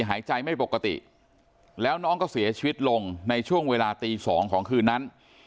หายใจไม่ปกติแล้วน้องก็เสียชีวิตลงในช่วงเวลาตี๒ของคืนนั้น